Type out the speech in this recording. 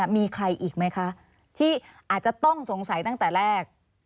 มีใครอีกไหมคะที่อาจจะต้องสงสัยตั้งแต่แรก